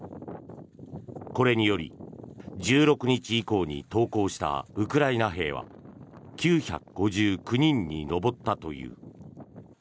これにより、１６日以降に投降したウクライナ兵は９５９人に上ったという。